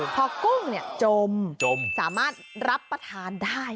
พอกุ้งจมสามารถรับประทานได้